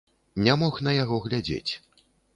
Не мог на яго глядзець.